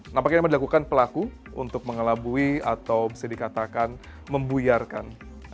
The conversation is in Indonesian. namun akhirnya dilakukan pelaku untuk mengelabui atau bisa dikatakan membuyarkan